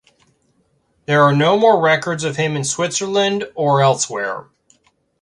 There are no more records of him in Switzerland or elsewhere.